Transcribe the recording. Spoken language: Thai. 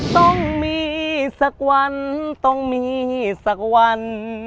ต้องมีสักวันต้องมีสักวัน